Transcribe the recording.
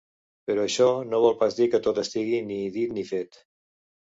Però això no vol pas dir que tot estigui ni dit ni fet.